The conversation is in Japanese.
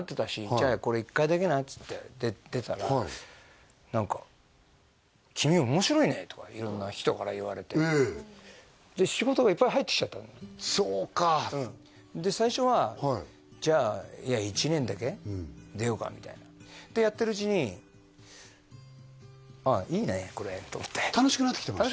じゃあこれ１回だけなっつって出たら何かとか色んな人から言われてで仕事がいっぱい入ってきちゃったのそうかうんで最初はじゃあ１年だけ出ようかみたいなってやってるうちにああいいねこれと思って楽しくなってきたんですか？